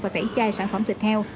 và tẩy chai sản phẩm thịt heo